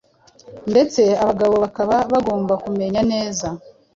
ndetse abagabo bakaba bagomba kumenya neza